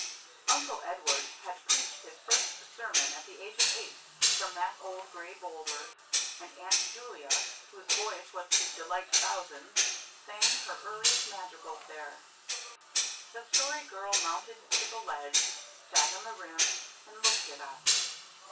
Uncle Edward had preached his first sermon at the age of eight from that old gray boulder; and Aunt Julia, whose voice was to delight thousands, sang her earliest madrigals there. The Story Girl mounted to the ledge, sat on the rim, and looked at us.